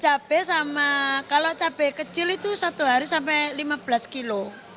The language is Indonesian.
cabai sama kalau cabai kecil itu satu hari sampai lima belas kilo